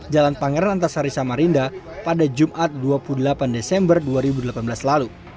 jalan pangeran antasari samarinda pada jumat dua puluh delapan desember dua ribu delapan belas lalu